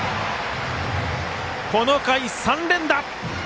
この回３連打！